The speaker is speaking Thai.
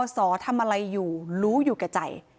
สอทำอะไรอยู่รู้อยู่แก่ใจ